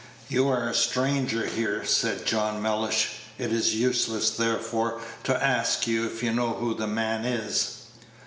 "You are a stranger here," said John Mellish; "it is useless, therefore, to ask you if you know who the man is."